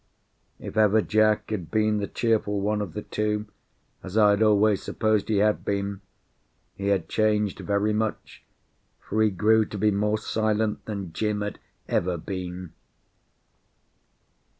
If ever Jack had been the cheerful one of the two, as I had always supposed he had been, he had changed very much, for he grew to be more silent than Jim had ever been.